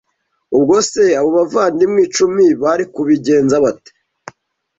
Ubwo se abo bavandimwe icumi bari kubigenza bate